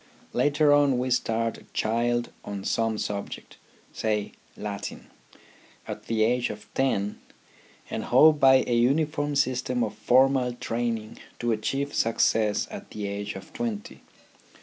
Later on we start a child on some subject, say Latin, at the age of ten, and hope by a uniform system of formal training to achieve success at the age of twenty.